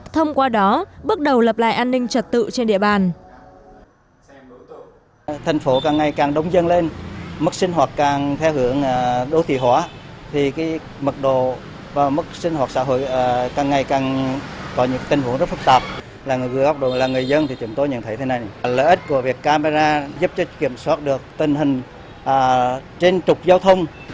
thông qua đó bước đầu lập lại an ninh trật tự trên địa bàn